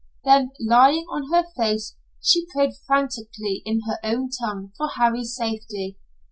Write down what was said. Then, lying on her face, she prayed frantically in her own tongue for Harry's safety.